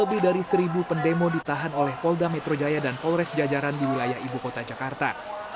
lebih dari seribu pendemo ditahan oleh polda metro jaya dan polres jajaran di wilayah ibu kota jakarta